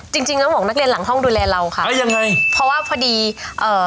จริงจริงแล้วบอกนักเรียนหลังห้องดูแลเราค่ะอ่ายังไงเพราะว่าพอดีเอ่อ